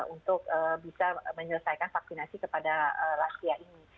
untuk bisa menyelesaikan vaksinasi kepada lansia ini